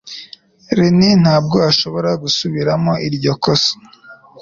Rene ntabwo ashobora gusubiramo iryo kosa.